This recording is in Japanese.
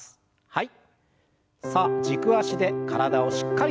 はい。